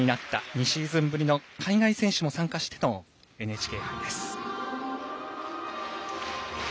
２シーズンぶりの海外選手も参加してのＮＨＫ杯です。